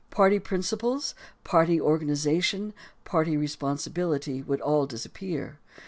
Party prin ciples, party organization, party responsibility, would all disappear.